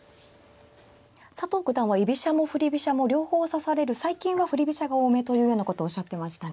佐藤九段は居飛車も振り飛車も両方指される最近は振り飛車が多めというようなことをおっしゃってましたね。